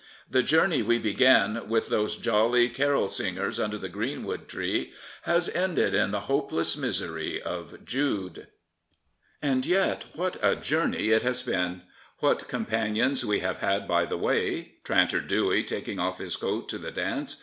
The journey we began with those jolly carol singers under the greenwood tree has ended in the hopeless misery of Jude. And yet what a journey it has been I What com panions we have had by the way — Tranter Dewey taking off his coat to the dance.